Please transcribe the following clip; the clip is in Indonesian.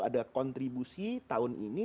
ada kontribusi tahun ini